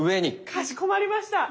かしこまりました。